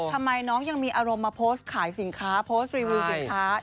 ทำไมน้องยังมีอารมณ์มาโพสต์ขายสินค้าโพสต์รีวิวสินค้า